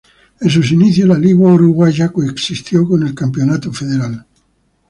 En sus inicios la Liga Uruguaya coexistió con el Campeonato Federal.